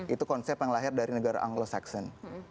itu konsep yang lahir dari negara anglo saxon